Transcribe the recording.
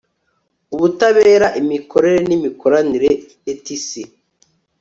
ubutabera, imikorere n'imikoranire etc